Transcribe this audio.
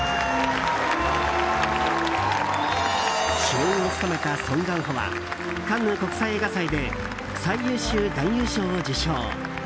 主演を務めたソン・ガンホはカンヌ国際映画祭で最優秀男優賞を受賞。